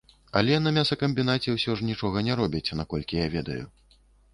Але на мясакамбінаце ўсё ж нічога не робяць, наколькі я ведаю.